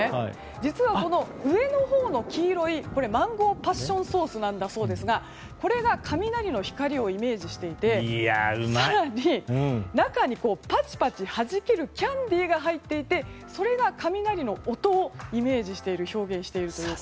実は上のほうの黄色いものはこれマンゴーパッションソースなんですがこれが雷の光をイメージしていて更に、中にパチパチはじけるキャンディーが入っていてそれが雷の音をイメージしている表現していると。